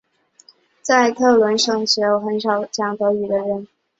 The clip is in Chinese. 在特伦托省则只有很少讲德语的人。